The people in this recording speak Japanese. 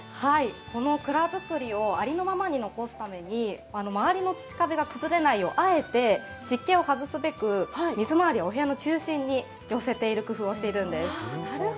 この蔵づくりをありのままに残すために周りの土壁が崩れないよう、あえて湿気を外すべく、水回りをお部屋の中心に寄せる工夫をしています。